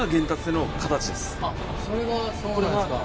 あっそれがそうなんですか。